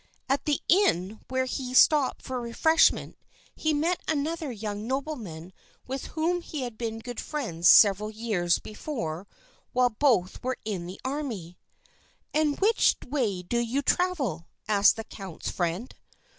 At the inn where he stopped for refreshment, he met another young nobleman with whom he had been good friends several years before while both were in the army. "And which way do you travel?" asked the count's friend.